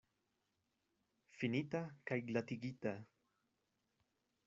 Finita kaj glatigita.